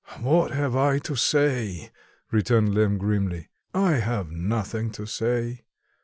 "What have I to say?" returned Lemm, grimly. "I have nothing to say.